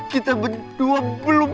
kita berdua belum